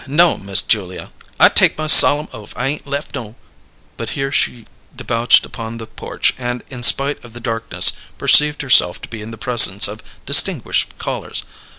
No'm, Miss Julia, I take my solemn oaf I ain' lef no " But here she debouched upon the porch, and in spite of the darkness perceived herself to be in the presence of distinguished callers.